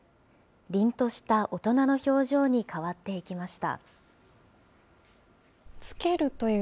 りんとした大人の表情に変わっていきました。